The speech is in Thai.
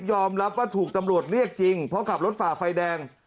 ยอมรับว่าถูกตำรวจเรียกจริงเพราะขับรถฝ่าไฟแดง